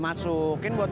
mas mengadakan aa takut